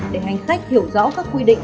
để hành khách hiểu rõ các quy định